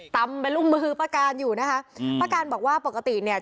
ตำเป็นลูกมือป้าการอยู่นะคะอืมป้าการบอกว่าปกติเนี่ย